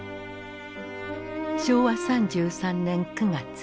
昭和３３年９月。